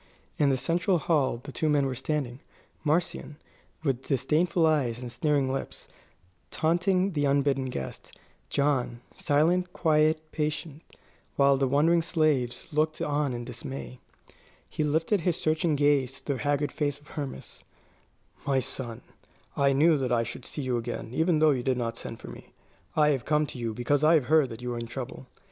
In the central hall the two men were standing; Marcion, with disdainful eyes and sneering lips, taunting the unbidden guest; John, silent, quiet, patient, while the wondering slaves looked on in dismay. He lifted his searching gaze to the haggard face of Hermas. "My son, I knew that I should see you again, even though you did not send for me. I have come to you because I have heard that you are in trouble."